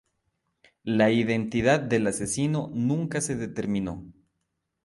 La identidad del asesino nunca se determinó.